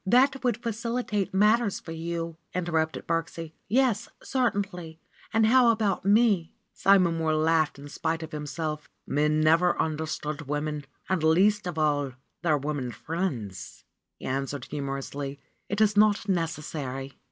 "That would facilitate matters for you," interrupted Birksie. "Yes, certainly! And how about me?" RENUNCIATION OF FRA SIMONETTA 109 Simon Mohr laughed in spite of himself. ^^Men never understand women, and, least of all, their women friends," he answered humorously. "It is not necessary."